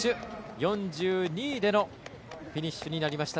４２位でのフィニッシュになりました。